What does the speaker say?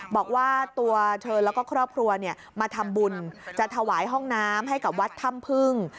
บอกว่าตัวเธอแล้วก็ครอบครัวมาทำบุญจะถวายห้องน้ำให้กับวัดถ้ำพึ่ง